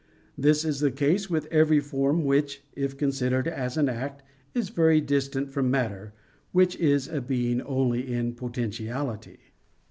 This is the case with every form which, if considered as an act, is very distant from matter, which is a being only in potentiality.